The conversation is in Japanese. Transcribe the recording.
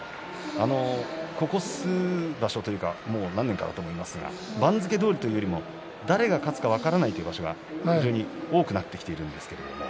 ここ数場所というかもう何年かだと思いますが番付どおりというよりも誰が勝つか分からないという場所が非常に多くなってきているんですけれども。